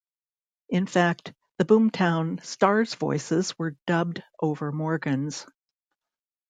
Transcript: In fact, the "Boom Town" stars' voices were dubbed over Morgan's.